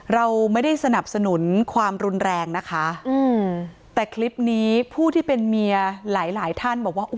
เราไม่ได้สนับสนุนความรุนแรงนะคะอืมแต่คลิปนี้ผู้ที่เป็นเมียหลายหลายท่านบอกว่า